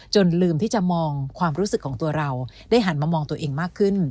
ลืมที่จะมองความรู้สึกของตัวเราได้หันมามองตัวเองมากขึ้น